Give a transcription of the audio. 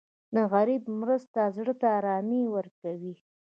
د غریب مرسته زړه ته ارامي ورکوي.